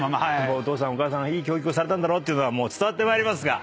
お父さんお母さんいい教育をされたんだろうっていうのは伝わってまいりますが。